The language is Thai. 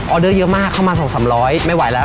ออเดอร์เยอะมากเข้ามาสองสามร้อยไม่ไหวแล้ว